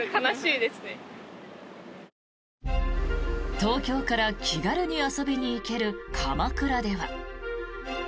東京から気軽に遊びに行ける鎌倉では。